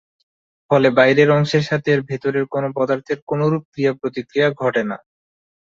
ফলে বাইরের অংশের সাথে এর ভেতরের কোনো পদার্থের কোনোরূপ ক্রিয়া প্রতিক্রিয়া ঘটে না।